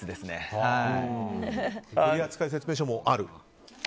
取扱説明書もある？